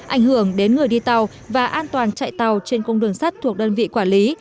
ảnh hưởng đến người đi tàu và an toàn chạy tàu trên cung đường sắt thuộc đơn vị quản lý